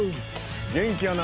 「元気やな